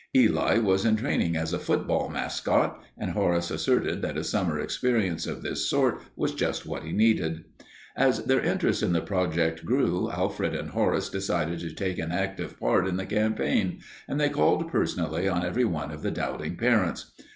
Eli was in training as a football mascot, and Horace asserted that a summer experience of this sort was just what he needed. As their interest in the project grew, Alfred and Horace decided to take an active part in the campaign, and they called personally on every one of the doubting parents.